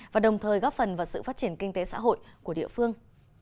và đồng thời góp phần vào sự phát triển kinh tế xã hội của địa phương